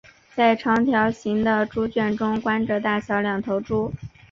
在长条形的猪圈中关着大小两头猪。